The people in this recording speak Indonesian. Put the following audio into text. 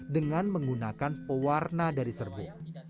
dengan menggunakan pewarna dari serbuk